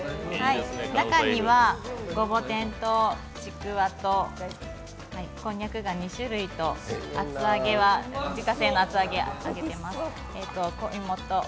中身は、ごぼ天とちくわとこんにゃくが２種類と厚揚げは自家製の厚揚げ、揚げています。